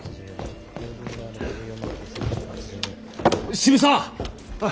渋沢！